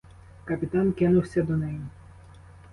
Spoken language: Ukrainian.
Капітан кинувся до неї.